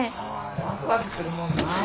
ワクワクするもんなぁ。